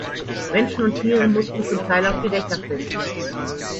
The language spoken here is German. Menschen und Tiere mussten zum Teil auf die Dächer flüchten.